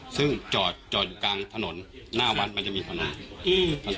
ซึ่งจอดอยู่กลางถนนหน้าวัดมันจะมีถนน